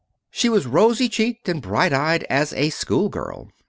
She was rosy cheeked and bright eyed as a schoolgirl.